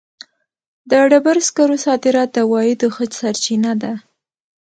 د ډبرو سکرو صادرات د عوایدو ښه سرچینه ده.